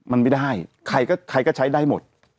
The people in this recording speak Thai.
มันไม่ได้ใครก็ใช้ได้หมด